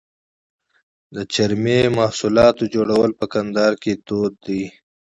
د چرمي محصولاتو جوړول په کندهار کې دود دي.